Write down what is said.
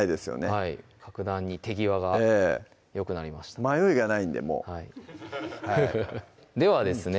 はい格段に手際がよくなりました迷いがないんでもうではですね